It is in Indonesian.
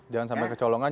jangan sampai kecolongan